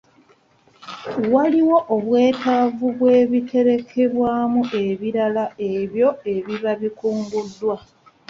Waliwo obwetaavu bw'ebiterekebwamu ebirala ebyo ebiba bikunguddwa.